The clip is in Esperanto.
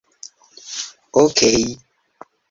Okej.